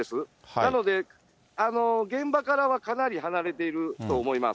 なので、現場からはかなり離れていると思います。